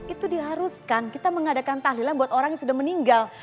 itu diharuskan kita mengadakan tahlilan buat orang yang sudah meninggal